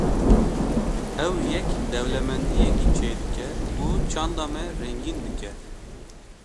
Ev yek dewlemendiyekê çêdike û çanda me rengîn dike.